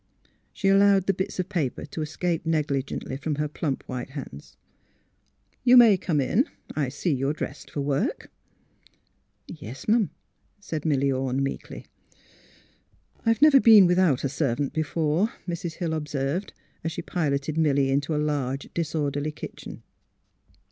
She allowed the bits of paper to escape negli gently from her plump white hands. 116 THE HEART OF PHILURA '* You may come in — I see you're dressed for work. ''" Yes'm," said Milly Orne, meekly. '' I've never been without a servant before," •Mrs. Hill observed, as she piloted Milly into a large disorderly kitchen.